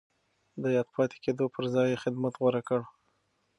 د ياد پاتې کېدو پر ځای يې خدمت غوره کړ.